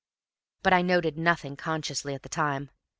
But I noted nothing consciously at the time.